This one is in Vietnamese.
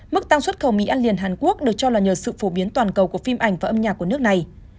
mức tăng xuất khẩu mì ăn liền hàn quốc được cho là nhờ sự phổ biến toàn cầu của phim ảnh và âm nhạc của nước này